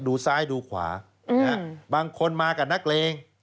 ดูซ้ายดูขวาบางคนมากับนักเลง